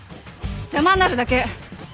邪魔になるだけ！